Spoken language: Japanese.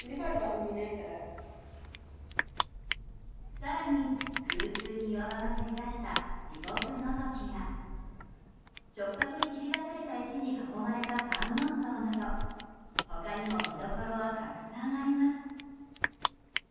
更に、空中に岩場がせり出した地獄のぞきや直角に切り出された石に囲まれた観音像など他にも見どころはたくさんあります。